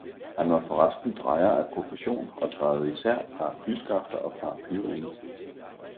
Han var forresten drejer af profession og drejede især paraplyskafter og paraplyringe.